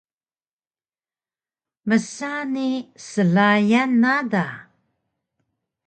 msa ni slayan na da